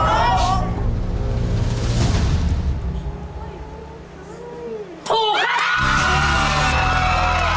ภาพที่๔คือภาพน้ำตกแม่หาด